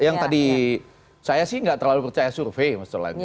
yang tadi saya sih gak terlalu percaya survei